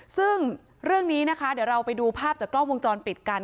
ซึ่งเรื่องนี้นะคะเดี๋ยวเราไปดูภาพจากกล้องวงจรปิดกัน